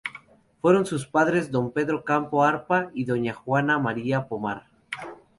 Fueron sus padres don Pedro Campo Arpa, y doña Juana María Pomar.